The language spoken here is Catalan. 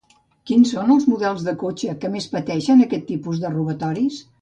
Quins són els models de cotxe que més pateixen aquest tipus de robatoris?